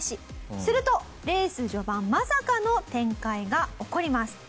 するとレース序盤まさかの展開が起こります。